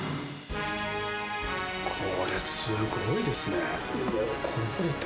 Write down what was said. これ、すごいですね。